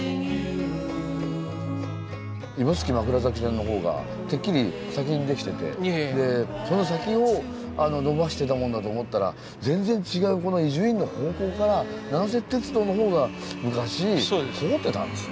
指宿枕崎線の方がてっきり先にできててその先を延ばしてたもんだと思ったら全然違う伊集院の方向から南鉄道の方が昔通ってたんですね。